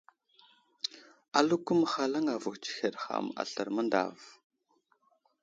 Aləko məhalaŋ avohw tsəhed ham aslər məŋdav.